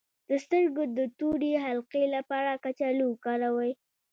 د سترګو د تورې حلقې لپاره کچالو وکاروئ